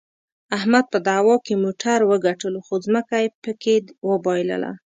احمد په دعوا کې موټر وګټلو، خو ځمکه یې پکې د وباییلله.